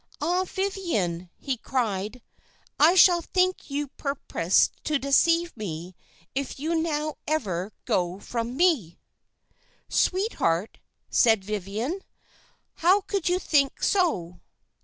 "'Ah, Viviane,' he cried, 'I shall think you purposed to deceive me if you now ever go from me!' "'Sweetheart,' said Viviane, 'how could you think so?